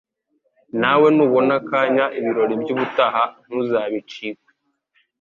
nawe nubona akanya ibirori by'ubutaha ntuzabicikwe